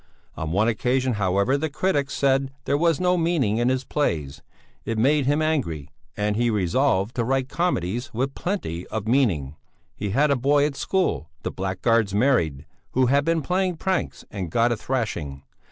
On one occasion however the critics said there was no meaning in his plays; it made him angry, and he resolved to write comedies with plenty of meaning. He had a boy at school the blackguard's married who had been playing pranks and got a thrashing.